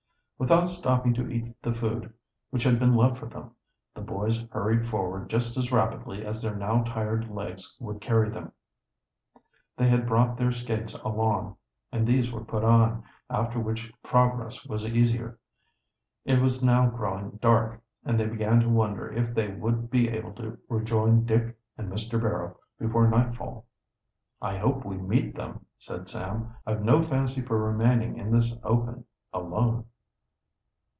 Without stopping to eat the food which had been left for them, the boys hurried forward just as rapidly as their now tired legs would carry them. They had brought their skates along and these were put on, after which progress was easier. It was now growing dark, and they began to wonder if they would be able to rejoin Dick and Mr. Barrow before nightfall. "I hope we meet them," said Sam. "I've no fancy for remaining in this open, alone."